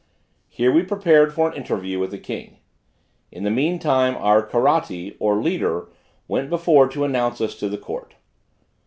Here we prepared for an interview with the king. In the mean time our Karatti, or leader went before to announce us to the court.